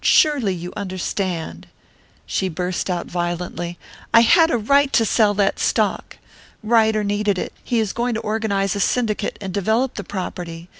"Surely you understand!" She burst out violently, "I had a right to sell that stock! Ryder needed it. He is going to organise a syndicate, and develop the property.